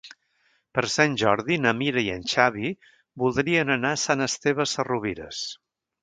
Per Sant Jordi na Mira i en Xavi voldrien anar a Sant Esteve Sesrovires.